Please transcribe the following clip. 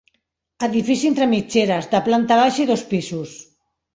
Edifici entre mitgeres, de planta baixa i dos pisos.